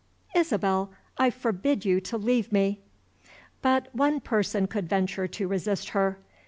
Isabel! I forbid you to leave me!" But one person could venture to resist her.